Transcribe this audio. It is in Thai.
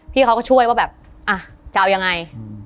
พี่เขาก็ช่วยว่าแบบอ่ะจะเอายังไง